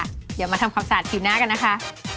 เดี๋ยวมาทำความสะอาดสีหน้ากันนะคะ